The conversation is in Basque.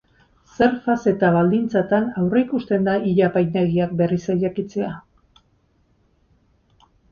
Zer fase eta baldintzatan aurreikusten da ile-apaindegiak berriz irekitzea?